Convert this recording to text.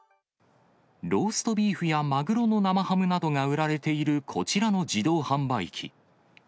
ローストビーフやマグロの生ハムなどが売られているこちらの自動販売機。